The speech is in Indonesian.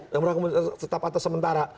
yang beranggaman tetap atau sementara